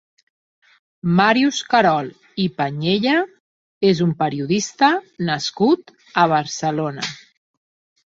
Màrius Carol i Pañella és un periodista nascut a Barcelona.